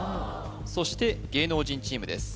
そして芸能人チームです